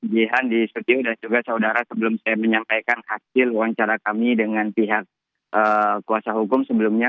jihan di setio dan juga saudara sebelum saya menyampaikan hasil wawancara kami dengan pihak kuasa hukum sebelumnya